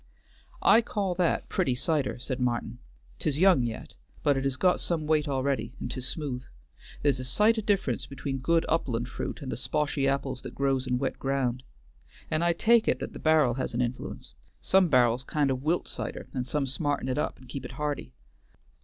"I call that pretty cider," said Martin; "'tis young yet, but it has got some weight a'ready, and 'tis smooth. There's a sight o' difference between good upland fruit and the sposhy apples that grows in wet ground. An' I take it that the bar'l has an influence: some bar'ls kind of wilt cider and some smarten it up, and keep it hearty.